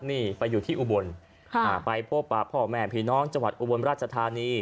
นี่ไปอยู่ที่อุบลไปพบป่าพ่อแม่พี่น้องจังหวัดอุบลราชธานี